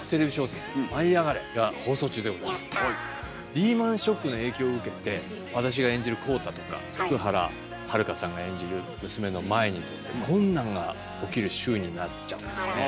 リーマンショックの影響を受けて私が演じる浩太とか福原遥さんが演じる娘の舞にとって困難が起きる週になっちゃうんですね。